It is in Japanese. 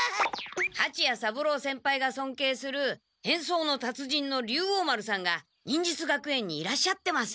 はちや三郎先輩がそんけいする変装の達人の竜王丸さんが忍術学園にいらっしゃってます。